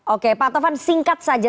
oke pak tovan singkat saja